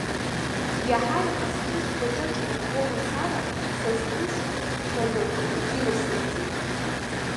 Иаҳа-иаҳа схы сгәаҿы аҽарӷәӷәо мацара, сазкылсит уск ӡбаны, егьынасыгӡеит.